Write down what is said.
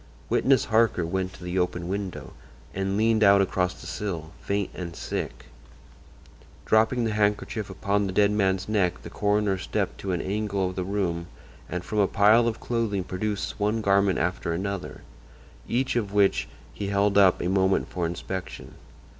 Witness Harker went to the open window and leaned out across the sill, faint and sick. Dropping the handkerchief upon the dead man's neck the coroner stepped to an angle of the room and from a pile of clothing produced one garment after another, each of which he held up a moment for inspection.